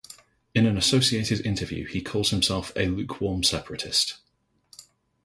In an associated interview, he calls himself a "lukewarm separatist".